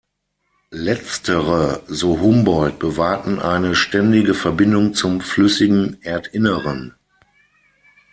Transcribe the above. Letztere, so Humboldt bewahrten eine ständige Verbindung zum flüssigen Erdinneren.